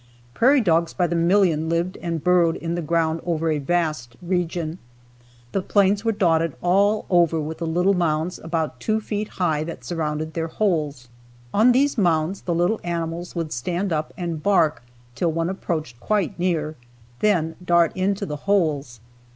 Prairie dogs by the million lived and burrowed in the ground over a vast region. The plains were dotted all over with the little mounds about two feet high that surrounded their holes. On these mounds the little animals would stand up and bark till one approached quite near, then dart into the holes.